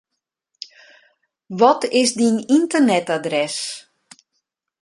Wat is dyn ynternetadres?